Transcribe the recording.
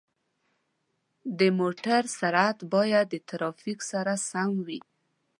د موټر سرعت باید د ترافیک سره سم وي.